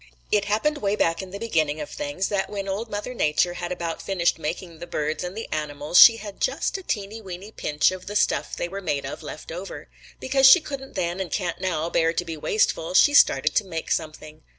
"It happened way back in the beginning of things that when Old Mother Nature had about finished making the birds and the animals, she had just a teeny weeny pinch of the stuff they were made of left over. Because she couldn't then and can't now bear to be wasteful, she started to make something.